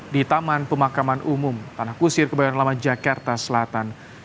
di taman pemakaman umum tanah kusir kebayoran lama jakarta selatan